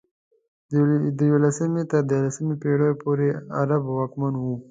د یولسمې تر دیارلسمې پېړیو پورې عرب واکمن وو.